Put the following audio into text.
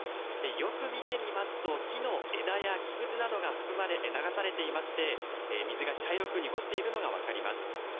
よく見てみますと、木の枝や木くずなどが含まれ流されていまして、水が茶色く濁っているのが分かります。